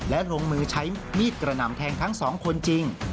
และลงมือใช้มีดกระหน่ำแทงทั้งสองคนจริง